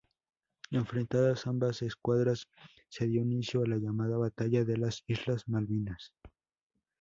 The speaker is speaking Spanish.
Enfrentadas ambas escuadras, se dio inicio a la llamada Batalla de las islas Malvinas.